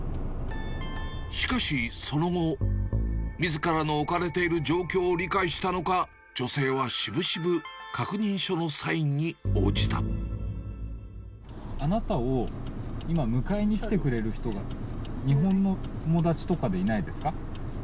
しかし、その後、みずからの置かれている状況を理解したのか、女性はしぶしぶ確認あなたを今、迎えに来てくれる人が、日本の友達とかでいないですか？